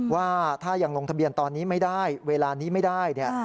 ว่าถ้ายังลงทะเบียนตอนนี้ไม่ได้เวลานี้ไม่ได้เนี่ย